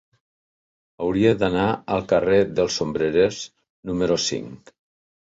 Hauria d'anar al carrer dels Sombrerers número cinc.